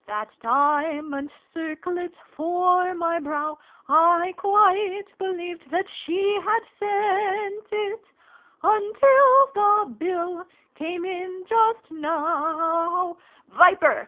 That diamond circlet for my brow / quite believed that she had sent it, Until tJie Bill came in just noiv "Viper!"